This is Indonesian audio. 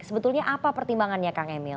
sebetulnya apa pertimbangannya kang emil